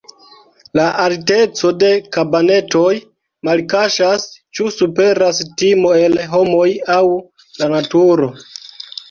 La alteco de kabanetoj malkaŝas, ĉu superas timo el homoj aŭ la naturo.